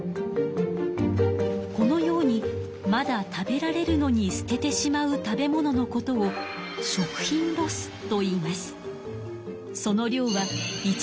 このようにまだ食べられるのに捨ててしまう食べ物のことを「食品ロス」といいます。